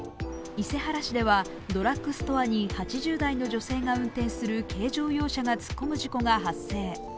伊勢原市ではドラッグストアに８０代の女性が運転する軽乗用車が突っ込む事故が発生。